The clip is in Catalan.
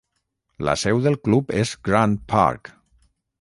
La seu del club és Grant Park.